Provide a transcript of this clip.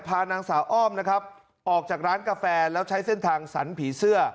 พานางสาวอ้อมนะครับออกจากร้านกาแฟแล้วใช้เส้นทางสรรผีเสื้อ